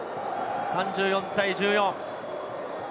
３４対１４。